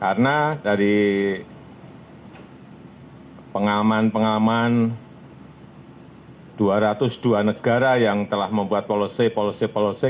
karena dari pengalaman pengalaman dua ratus dua negara yang telah membuat polosi polosi polosi